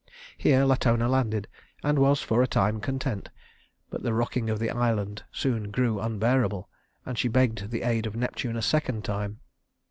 Here Latona landed, and was for a time content; but the rocking of the island soon grew unbearable, and she begged the aid of Neptune a second time.